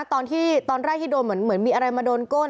ตอนแรกที่โดนเหมือนมีอะไรมาโดนก้น